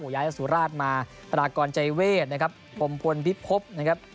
โหยายสุราชมาตรากรใจเวชนะครับบรมพลพิภพนะครับ